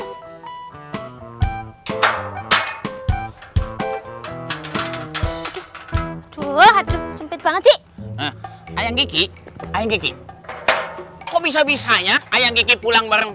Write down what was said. aduh aduh aduh cepet banget di ayam kiki ayam kiki kok bisa bisanya ayam kiki pulang bareng